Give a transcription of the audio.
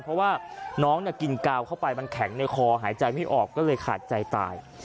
เพราะว่าน้องกินกาวเข้าไปมันแข็งในคอหายใจไม่ออกก็เลยขาดใจตาย